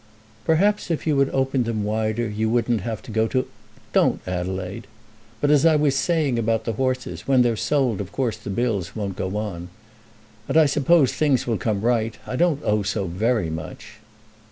"Perhaps if you had opened them wider you wouldn't have to go to " "Don't, Adelaide. But, as I was saying about the horses, when they're sold of course the bills won't go on. And I suppose things will come right. I don't owe so very much."